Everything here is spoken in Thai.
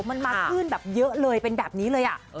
มันมาคลื่นแบบเยอะเลยเป็นแบบนี้เลย